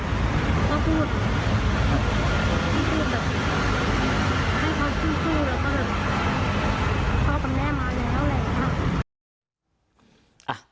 ให้เขาพูดพูดแล้วก็แบบพ่อกับแม่มาแล้วเลยครับอ่ะ